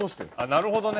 なるほどね。